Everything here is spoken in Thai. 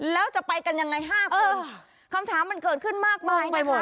แล้วจะไปกันยังไงห้าคนเออคำถามมันเกิดขึ้นมากมากนะคะ